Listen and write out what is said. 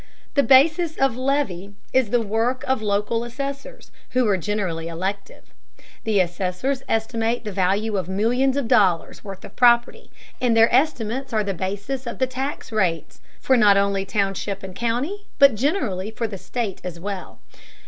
The basis of levy is the work of local assessors, who are generally elective. The assessors estimate the value of millions of dollars' worth of property, and their estimates are the basis of the tax rates for not only township and county, but generally for the state as well.